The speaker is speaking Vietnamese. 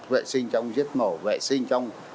vệ sinh trong giết mổ vệ sinh trong